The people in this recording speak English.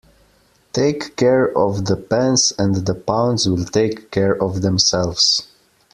Take care of the pence and the pounds will take care of themselves.